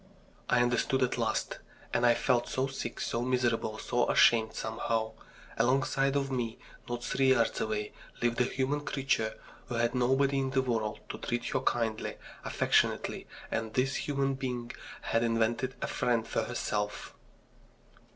I understood at last. And I felt so sick, so miserable, so ashamed, somehow. Alongside of me, not three yards away, lived a human creature who had nobody in the world to treat her kindly, affectionately, and this human being had invented a friend for herself!